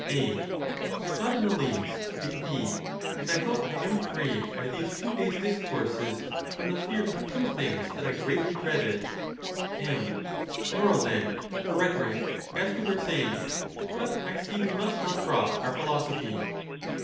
A, Not in the least, indeed; and I hope I am freed by these two days' discourses from the fear of two things that I greatly dreaded. M. To morrow, then, for rhetoric, as we were saying. But I see we must not drop our philosophy.